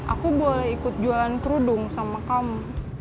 aku boleh ikut jualan kerudung sama kamu